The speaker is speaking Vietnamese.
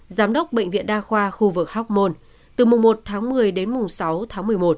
giám đốc bệnh viện đa khoa khu vực hóc môn từ mùng một tháng một mươi đến mùng sáu tháng một mươi một